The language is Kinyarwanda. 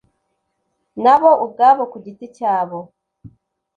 na bo ubwabo ku giti cyabo